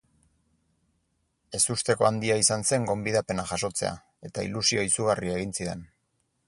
Ezusteko handia izan zen gonbidapena jasotzea, eta ilusio izugarria egin zidan.